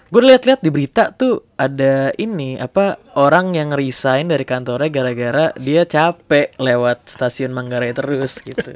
gue lihat lihat di berita tuh ada ini apa orang yang nge resign dari kantornya gara gara dia capek lewat stasiun manggarai terus gitu